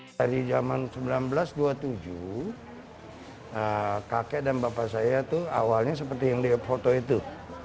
dari zaman seribu sembilan ratus dua puluh tujuh kakek dan bapak saya itu awalnya seperti yang di foto itu